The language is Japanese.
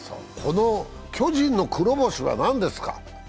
巨人の黒星は何ですか？